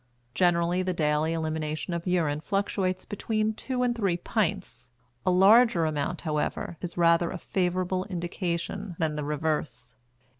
Generally the daily elimination of urine fluctuates between two and three pints; a larger amount, however, is rather a favorable indication than the reverse.